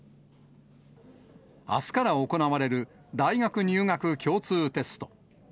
あすから行われる大学入学共通テスト。